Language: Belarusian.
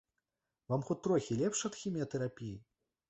Вам хоць трохі лепш ад хіміятэрапіі?